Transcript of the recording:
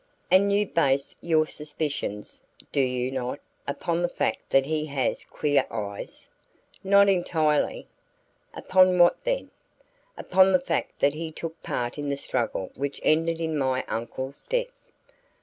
"And you base your suspicions, do you not, upon the fact that he has queer eyes?" "Not entirely." "Upon what then?" "Upon the fact that he took part in the struggle which ended in my uncle's death."